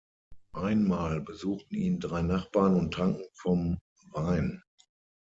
Einmal besuchten ihn drei Nachbarn und tranken vom Wein.